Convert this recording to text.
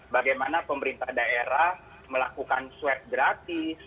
bagaimana pemerintah daerah melakukan swab gratis